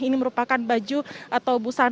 ini merupakan baju atau busana